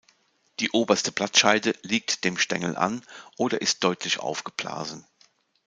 Die oberste Blattscheide liegt dem Stängel an, oder ist deutlich aufgeblasen.